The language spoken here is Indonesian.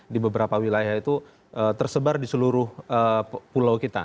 di beberapa wilayah itu tersebar di seluruh pulau kita